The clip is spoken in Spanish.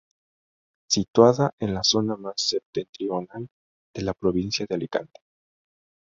Situada en la zona más septentrional de la provincia de Alicante.